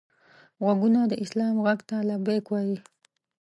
غوږونه د سلام غږ ته لبیک وايي